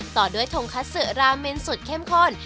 ต่อด้วยทงคัสสือราเมนสุดเข้มข้น